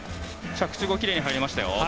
着地もきれいに入りましたよ。